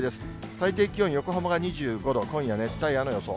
最低気温、横浜が２５度、今夜、熱帯夜の予想。